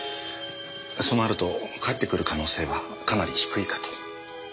そうなると返ってくる可能性はかなり低いかと。